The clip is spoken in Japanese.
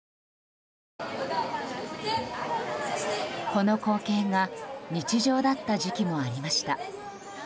この光景が日常だった時期もありました。